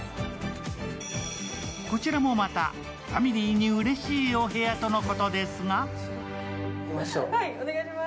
ちらもまたファミリーにうれしいお部屋とのことですが。